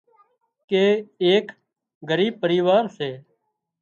ڪي ايڪ ڳريٻ پريوار سي